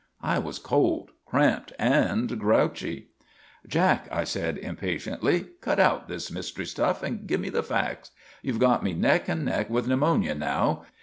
I was cold, cramped and grouchy. "Jack," I said impatiently, "cut out this mystery stuff and give me the facts. You've got me neck and neck with pneumonia now.